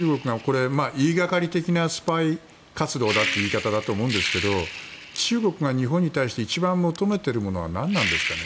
このタイミングで中国が言いがかり的なスパイ活動だという言い方だと思いますが中国が日本に対して一番求めているものは何なんですかね。